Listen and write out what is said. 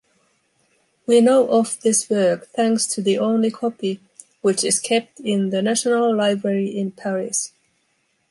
We know of this work thanks to the only copy which is kept in the National Library in Paris.